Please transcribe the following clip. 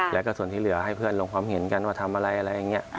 แล้วก็ส่วนที่เหลือให้เพื่อนลงความเห็นกันว่าทำอะไรอะไรอย่างนี้